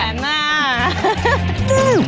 แท้แน่